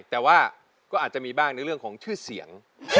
แต่ว่าก็อาจจะมีบ้างในเรื่องของชื่อเสียง